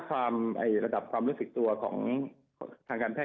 ความระดับความรู้สึกตัวของทางการแพท